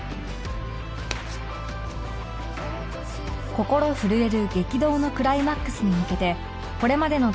心震える激動のクライマックスに向けて